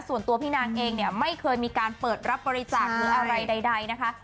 เพราะว่าพี่นางเองไม่เคยมีการเปิดรับบริจาคหรืออะไรใดนะคะ